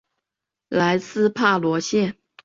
莱斯帕罗谢。